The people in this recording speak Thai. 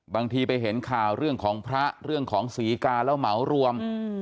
บางทีไปเห็นข่าวเรื่องของพระเรื่องของศรีกาแล้วเหมารวม